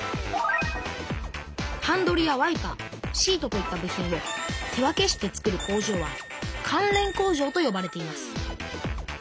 ハンドルやワイパーシートといった部品を手分けしてつくる工場は関連工場とよばれています。